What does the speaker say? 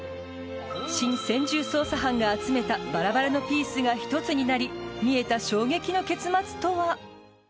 新専従捜査班が集めたバラバラのピースが１つになり、見えた衝撃の結末とは？